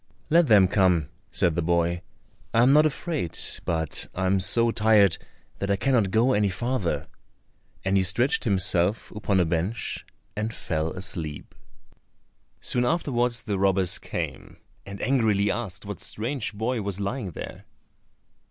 "Let them come," said the boy, "I am not afraid; but I am so tired that I cannot go any farther:" and he stretched himself upon a bench and fell asleep. Soon afterwards the robbers came, and angrily asked what strange boy was lying there?